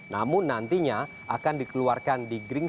namun nantinya akan dikeluarkan diperbaiki